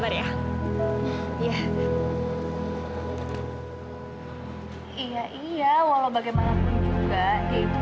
kayanya brian sebentar lagi datang